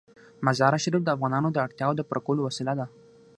مزارشریف د افغانانو د اړتیاوو د پوره کولو وسیله ده.